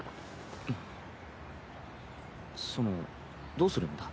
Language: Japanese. そのどうするんだ？